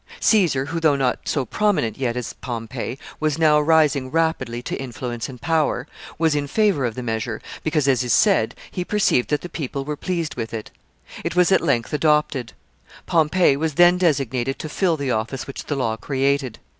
Caesar, who, though not so prominent yet as Pompey, was now rising rapidly to influence and power, was in favor of the measure, because, as is said, he perceived that the people were pleased with it. It was at length adopted. Pompey was then designated to fill the office which the law created.